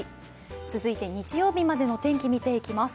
続いて、日曜日までの天気見ていきます。